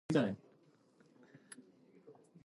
He resigned when this was discovered.